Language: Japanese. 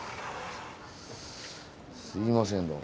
すいませんどうも。